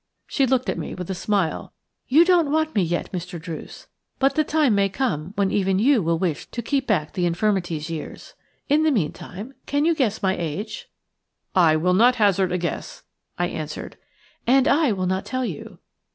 She looked at me with a smile. "You don't want me yet, Mr. Druce, but the time may come when even you will wish to keep back the infirmities years. In the meantime can you guess my age?" "I will not hazard a guess," I answered. "And I will not tell you.